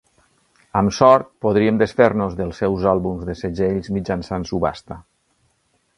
Amb sort, podríem desfer-nos dels seus àlbums de segells mitjançant subhasta